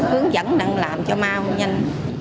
hướng dẫn đang làm cho mau nhanh